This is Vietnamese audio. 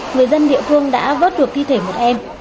người dân địa phương đã vớt được thi thể một em